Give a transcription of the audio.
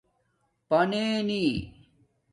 پننی